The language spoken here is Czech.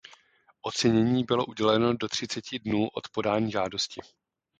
Ocenění bylo uděleno do třiceti dnů od podání žádosti.